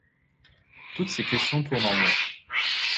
Toutes ces questions tournent en moi.